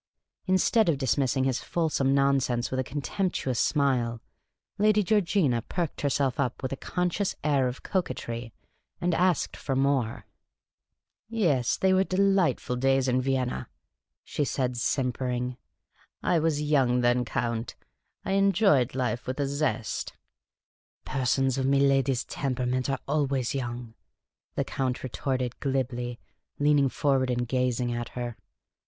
Instead of dismissing his fulsome nonsense with a contemptuous smile, Lady Georgina perked herself up with a conscious air of coquetry, and asked for more. " Yes, they were delightful days in Vienna," she The Cantankerous Old Lady 2 1 said, .simpering ;" I was young then, Count ; I enjoyed life with a zest." " Persons of miladi's temperament are always young," the Count retorted, glibly, leaning forward aud gazing at PERSONS OF MILADIS TEMPERAMENT ARE ALWAYS YOUNG, her.